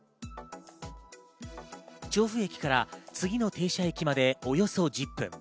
調布駅から次の停車駅までおよそ１０分。